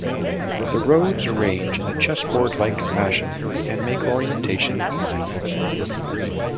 The roads arrange in a chessboard-like fashion and make orientation easy.